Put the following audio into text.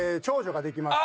ができまして。